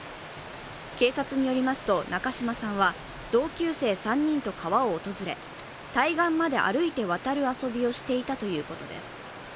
警察によりますと中島さんは同級生３人と川を訪れ対岸まで歩いて渡る遊びをしていたということです。